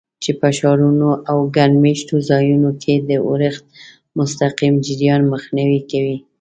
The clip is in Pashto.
چې په ښارونو او ګڼ مېشتو ځایونو کې د اورښت مستقیم جریان مخنیوی کوي.